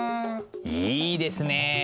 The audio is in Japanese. いいですねえ。